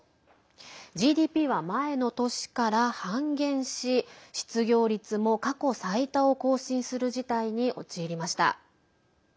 ＧＤＰは前の年から半減し失業率も過去最多を更新する事態に陥りました。